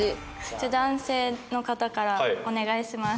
じゃあ男性の方からお願いします。